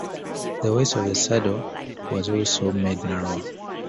The waist of the saddle was also made narrower.